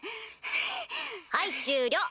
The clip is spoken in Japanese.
はい終了。